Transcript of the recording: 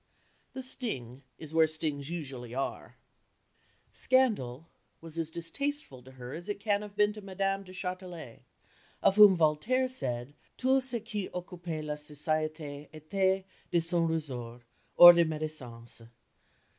The sting is where stings usually are. Scandal was as distasteful to her as it can have been to Madame du Châtelet, of whom Voltaire said that "_tout ce qui occupe la société était de son ressort, hors la médisance.